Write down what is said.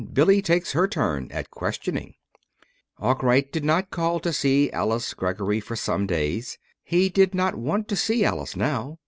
BILLY TAKES HER TURN AT QUESTIONING Arkwright did not call to see Alice Greggory for some days. He did not want to see Alice now.